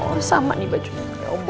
oh sama nih bajunya